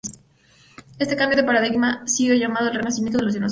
Este cambio de paradigma sido llamado el renacimiento de los dinosaurios.